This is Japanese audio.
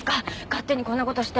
勝手にこんなことして。